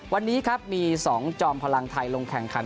วันนี้ครับมี๒จอมพลังไทยลงแข่งขัน